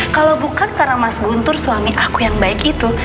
kalau bukan karena mas guntur suami aku yang baik itu